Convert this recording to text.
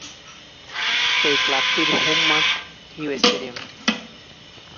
এই ক্লাবটির হোম মাঠ হিউ স্টেডিয়াম।